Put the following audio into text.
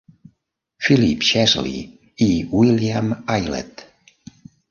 Philip Chesley i William Aylett.